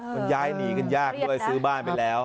มันย้ายหนีกันยากด้วยซื้อบ้านไปแล้ว